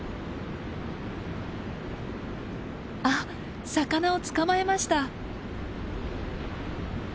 あっ魚を捕まえました。